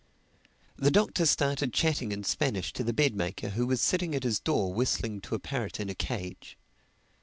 The Doctor started chatting in Spanish to the bed maker who was sitting at his door whistling to a parrot in a cage.